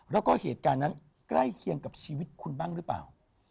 แล้วก็เหตุการณ์นั้นใกล้เคียงกับชีวิตคุณบ้างหรือเปล่า